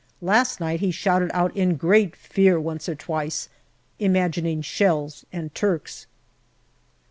Last night he shouted out in great fear once or twice, imagining shells and Turks.